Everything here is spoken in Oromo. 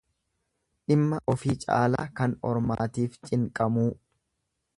Dhimma ofii caalaa kan ormaatiif cinqamuu.